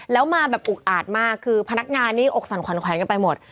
แล้วมาแบบอุกอาดมากคือพนักงานนี่อกสั่นขวัญแขวนกันไปหมด